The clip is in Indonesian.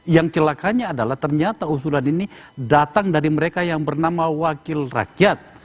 yang celakanya adalah ternyata usulan ini datang dari mereka yang bernama wakil rakyat